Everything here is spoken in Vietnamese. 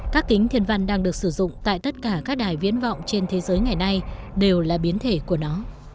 các kính thiên văn đang được sử dụng tại tất cả các đài viễn vọng trên thế giới ngày nay đều là biến thể của nó